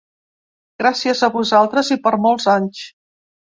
Gràcies a vosaltres i per molts anys!